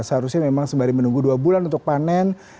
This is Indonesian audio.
seharusnya memang sembari menunggu dua bulan untuk panen